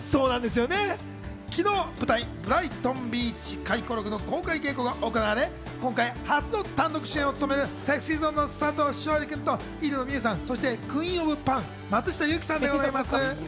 昨日、舞台『ブライトン・ビーチ回顧録』の公開稽古が行われ、今回初の単独主演を務めるＳｅｘｙＺｏｎｅの佐藤勝利さんと入野自由さん、そして松下由樹さんが登場しました。